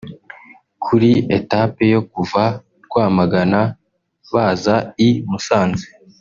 kuri etape yo kuva Rwamagana baza i Musanze